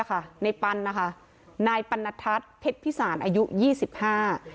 ในปันนะคะนายปันนทัศน์เพชรพิสารอายุยี่สิบห้า